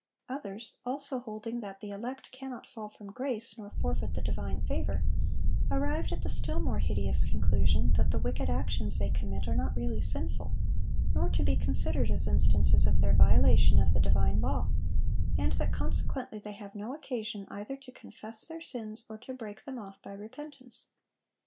Others, also holding that "the elect cannot fall from grace nor forfeit the divine favor," arrived at the still more hideous conclusion that "the wicked actions they commit are not really sinful, nor to be considered as instances of their violation of the divine law, and that consequently they have no occasion either to confess their sins or to break them off by repentance."